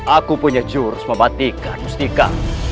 aku punya jurus mematikan mustika